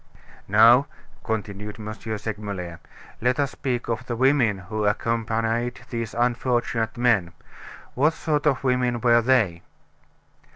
"Now," continued M. Segmuller, "let us speak of the women who accompanied these unfortunate men. What sort of women were they?"